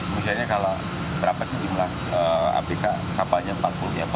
misalnya kalau berapa sih jumlah apk kapalnya empat puluh orang lah